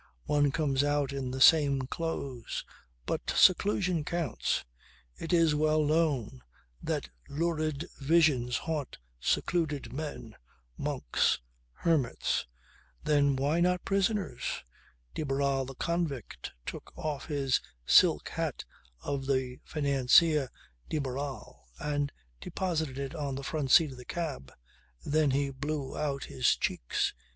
One comes out in the same clothes, but seclusion counts! It is well known that lurid visions haunt secluded men, monks, hermits then why not prisoners? De Barral the convict took off the silk hat of the financier de Barral and deposited it on the front seat of the cab. Then he blew out his cheeks.